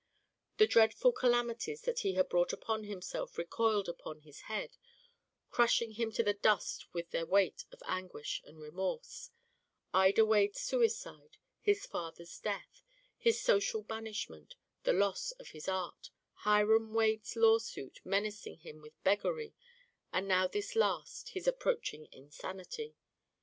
The dreadful calamities that he had brought upon himself recoiled upon his head, crushing him to the dust with their weight of anguish and remorse: Ida Wade's suicide, his father's death, his social banishment, the loss of his art, Hiram Wade's lawsuit menacing him with beggary, and now this last, this approaching insanity.